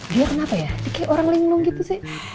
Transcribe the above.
dia kenapa ya dia kayak orang linglung gitu sih